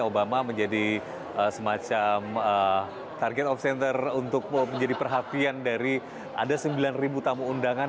obama menjadi semacam target of center untuk menjadi perhatian dari ada sembilan tamu undangan